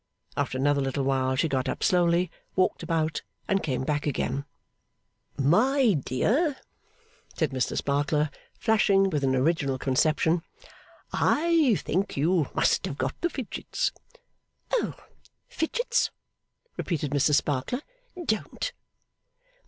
After another little while, she got up slowly, walked about, and came back again. 'My dear,' said Mr Sparkler, flashing with an original conception, 'I think you must have got the fidgets.' 'Oh, Fidgets!' repeated Mrs Sparkler. 'Don't.